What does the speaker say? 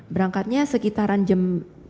berangkatnya sekitaran jam